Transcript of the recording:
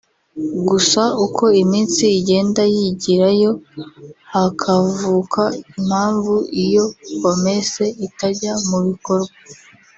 Gusa uko iminsi igenda yigirayo hakavuka impamvu iyo promesse itajya mû bikorwa